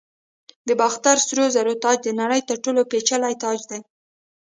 د باختر سرو زرو تاج د نړۍ تر ټولو پیچلی تاج دی